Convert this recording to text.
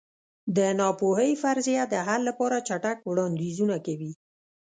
د ناپوهۍ فرضیه د حل لپاره چټک وړاندیزونه کوي.